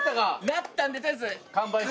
なったんで取りあえず。